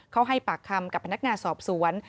เขาให้ปากคำกับพนักงานสอบสวน